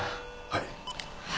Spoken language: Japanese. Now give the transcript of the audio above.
はい。